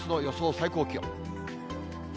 最高気温。